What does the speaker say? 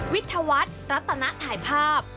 วิทยาวัฒน์รัตนถ่ายภาพ